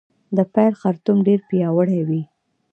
د پیل خرطوم ډیر پیاوړی وي